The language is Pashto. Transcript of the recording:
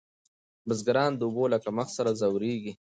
بزګران د اوبو له کمښت ځوریږي.